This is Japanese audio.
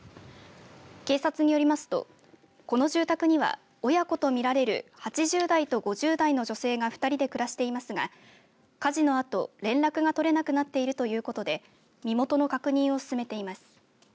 警察によりますとこの住宅には親子と見られる８０代と５０代の女性が２人で暮らしていますが火事のあと連絡が取れなくなっているということで身元の確認を進めています。